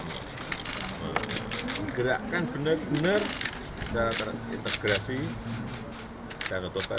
menggerakkan benar benar secara integrasi danau toba